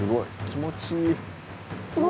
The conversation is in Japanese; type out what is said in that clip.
気持ちいい。